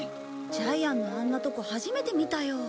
ジャイアンのあんなとこ初めて見たよ。